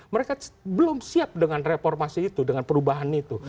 mereka belum siap dengan reformasi itu dengan perubahan itu